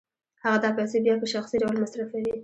هغه دا پیسې بیا په شخصي ډول مصرفوي